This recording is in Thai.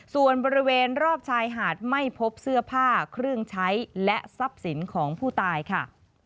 ส่วนบริเวณรอบชายหาดไม่พบเสื้อผ้าเครื่องใช้และทรัพย์สินของผู้ตายค่ะ